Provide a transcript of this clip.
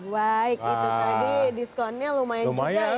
baik itu tadi diskonnya lumayan juga ya